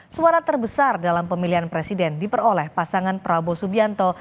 suara terbesar dalam pemilihan presiden diperoleh pasangan prabowo subianto